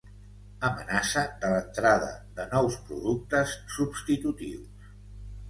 Amenaça de l'entrada de nous productes substitutius.